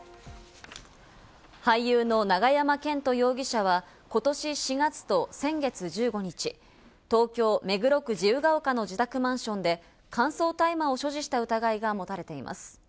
俳優の永山絢斗容疑者はことし４月と先月１５日、東京・目黒区自由が丘の自宅マンションで乾燥大麻を所持した疑いが持たれています。